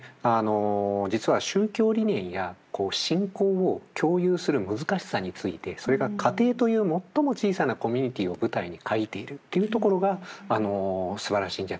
実は宗教理念や信仰を共有する難しさについてそれが家庭という最も小さなコミュニティーを舞台に書いているというところがすばらしいんじゃないかな。